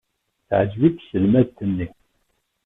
Teɛjeb-it tselmadt-nni.